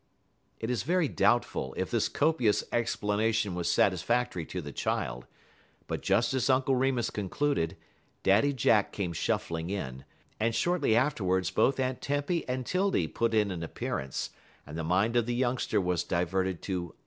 It is very doubtful if this copious explanation was satisfactory to the child, but just as Uncle Remus concluded, Daddy Jack came shuffling in, and shortly afterwards both Aunt Tempy and 'Tildy put in an appearance, and the mind of the youngster was diverted to other matters.